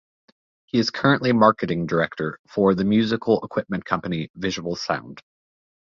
He is currently Marketing Director for the musical equipment company, Visual Sound.